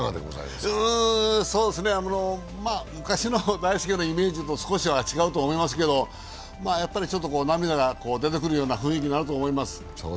昔の大輔のイメージとはちょっと違うと思いますけど涙が出てくるような雰囲気になると思います。